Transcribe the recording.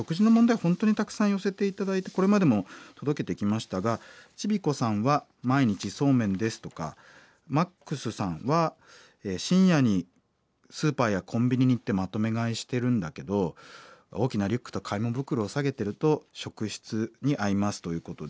本当にたくさん寄せて頂いてこれまでも届けてきましたがチビコさんは「毎日そうめんです」とかマックスさんは「深夜にスーパーやコンビニに行ってまとめ買いしてるんだけど大きなリュックと買い物袋を提げてると職質にあいます」ということで。